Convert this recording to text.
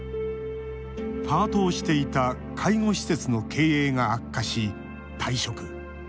パートをしていた介護施設の経営が悪化し退職。